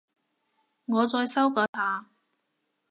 我再修改下